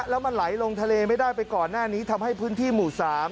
แล้วมันไหลลงทะเลไม่ได้ไปก่อนหน้านี้ทำให้พื้นที่หมู่๓